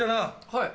はい。